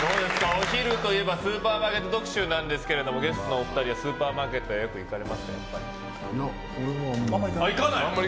お昼といえばスーパーマーケット特集ですがゲストのお二人はスーパーマーケットはいや、俺はあまり。